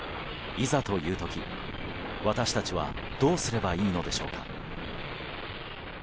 いざという時、私たちはどうすればいいのでしょうか。